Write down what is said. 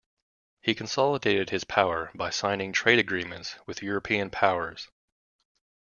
He consolidated his power by signing trade agreements with European powers.